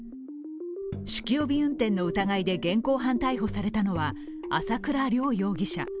酒気帯び運転の疑いで現行犯逮捕されたのは朝倉亮容疑者。